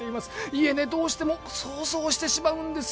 「いえねどうしても想像してしまうんですよ」